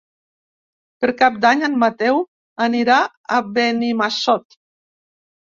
Per Cap d'Any en Mateu anirà a Benimassot.